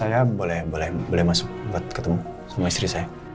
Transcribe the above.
saya boleh masuk buat ketemu sama istri saya